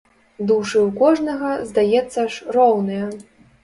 Душы ў кожнага, здаецца ж, роўныя!